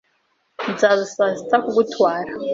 Nzaza saa sita kugutwara.